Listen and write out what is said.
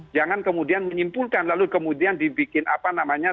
jangan kemudian menyimpulkan lalu kemudian dibikin apa namanya